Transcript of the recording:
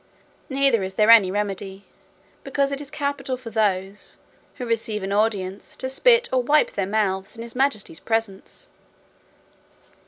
Neither is there any remedy; because it is capital for those, who receive an audience to spit or wipe their mouths in his majesty's presence.